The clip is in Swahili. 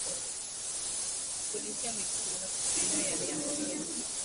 Kulishia mifugo katika maeneo yaliyoambukizwa